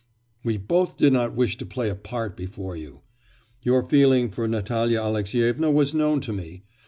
we both did not wish to play a part before you. Your feeling for Natalya Alexyevna was known to me....